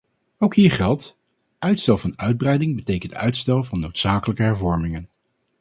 Ook hier geldt: uitstel van uitbreiding betekent uitstel van noodzakelijke hervormingen.